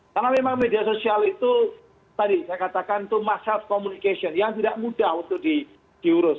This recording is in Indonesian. karena memang media sosial itu tadi saya katakan itu masyarakat komunikasi yang tidak mudah untuk diurus